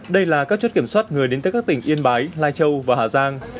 đây là các chốt kiểm soát người đến từ các tỉnh yên bái lai châu và hà giang